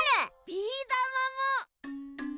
ビーだまも！